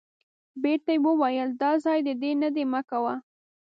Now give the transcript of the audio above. بیرته یې وویل دا ځای د دې نه دی مه کوه.